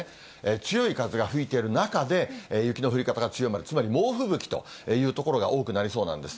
強い風が吹いている中で、雪の降り方が強まる、つまり猛吹雪という所が多くなりそうなんです。